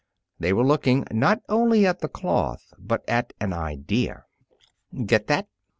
They were looking not only at cloth but at an idea. "Get that?"